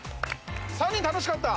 ３人楽しかった？